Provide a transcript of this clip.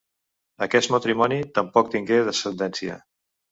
Aquest matrimoni tampoc tingué descendència.